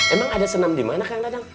emang ada senam di mana kang dadang